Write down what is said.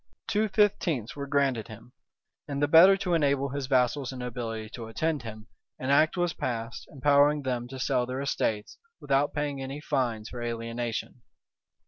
Two fifteenths were granted him; and the better to enable his vassals and nobility to attend him, an act was passed, empowering them to sell their estates, without paying any fines for alienation.